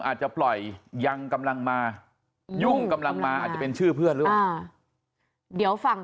อาจจะปล่อยยังกำลังมาตรงกำลังมาจะเป็นชื่อเพื่อนเดี๋ยวฝั่ง